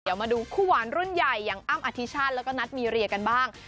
เดี๋ยวมาดูคู่หวานรุ่นใหญ่อย่างอ้ำอธิชาติแล้วก็นัทมีเรียกันบ้าง